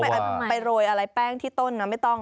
ไปโรยอะไรแป้งที่ต้นนะไม่ต้อง